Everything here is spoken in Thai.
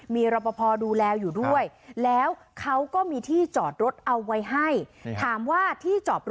มีรับประพอดูแลอยู่ด้วยแล้วเขาก็มีที่จอดรถเอาไว้ให้